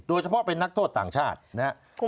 โดยเฉพาะเป็นนักโทษต่างชาตินะครับ